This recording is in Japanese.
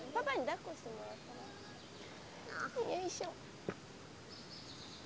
よいしょ。